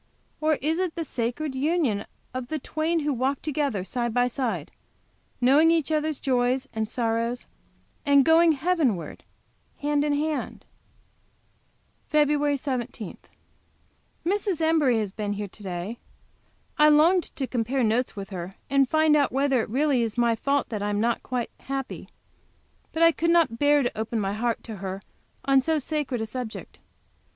or is it the sacred union of the twain who 'walk together side by side, knowing each other's joys and sorrows, and going Heavenward hand in hand? FEB. 17. Mrs. Embury has been here to day. I longed to compare notes with her, and find out whether it really is my fault that I am not quite happy. But I could not bear to open my heart to her on so sacred a subject.